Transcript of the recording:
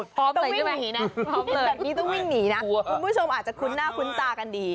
พร้อมเลยต้องวิ่งหนีนะคุณผู้ชมอาจจะคุ้นหน้าคุ้นตากันดี